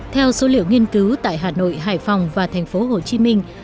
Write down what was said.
theo số liệu nghiên cứu tại hà nội hải phòng và thành phố hồ chí minh